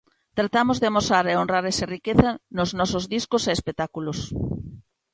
Tratamos de amosar e honrar esa riqueza nos nosos discos e espectáculos.